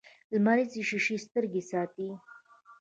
لمریزې شیشې سترګې ساتي